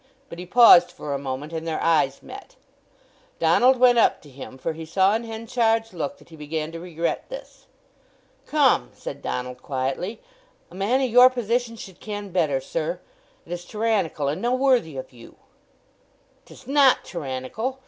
But he paused for a moment, and their eyes met. Donald went up to him, for he saw in Henchard's look that he began to regret this. "Come," said Donald quietly, "a man o' your position should ken better, sir! It is tyrannical and no worthy of you." "'Tis not tyrannical!"